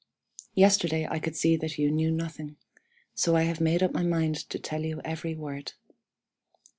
Yesterday I could see that you knew nothing. So I have made up my mind to tell you every word.